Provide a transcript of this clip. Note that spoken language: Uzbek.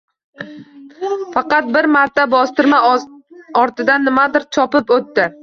Faqat bir marta bostirma ortidan nimadir chopib oʻtdi